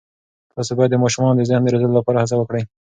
تاسې باید د ماشومانو د ذهن د روزلو لپاره هڅه وکړئ.